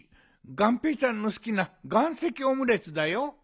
がんぺーちゃんのすきながんせきオムレツだよ。